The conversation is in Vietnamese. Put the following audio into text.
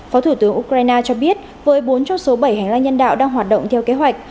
phó thủ tướng ukraine cho biết với bốn trong số bảy hành lang nhân đạo đang hoạt động theo kế hoạch